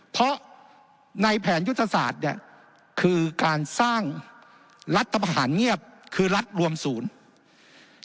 เพราะในแผนยุทธศาสตร์เนี่ยคือการสร้างรัฐประหารเงียบคือรัฐรวมศูนย์